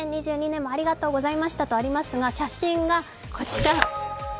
２０２０年もありがとうございましたとありますが、写真がこちら。